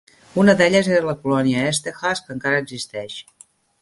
Una d'elles era la colònia Esterhaz, que encara existeix.